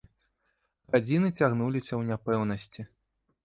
Гадзіны цягнуліся ў няпэўнасці.